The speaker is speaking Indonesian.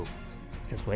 sesuai dengan keputusan